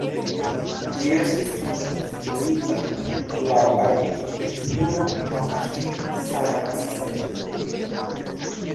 Ĝi estis konstruita laŭ arkitekturo nov-hind-saracena.